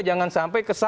jangan sampai kesimpulan